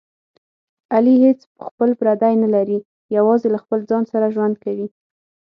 علي هېڅ خپل پردی نه لري، یوازې له خپل ځان سره ژوند کوي.